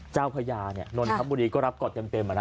เจ้าพระยานนทบุรีก็รับเกาะเต็มอะนะ